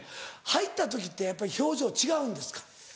入った時ってやっぱり表情違うんですか？